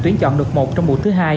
tuyển chọn được một trong buổi thứ hai